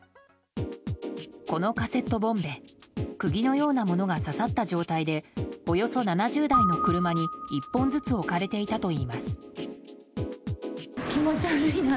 このカセットボンベ釘のようなものが刺さった状態でおよそ７０台の車に１本ずつ置かれていたといいます。